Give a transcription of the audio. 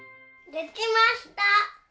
できました！